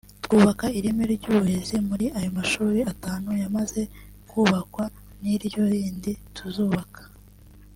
twubaka ireme ry’uburezi muri ayo mashuri atanu yamaze kubakwa n’iryo rindi tuzubaka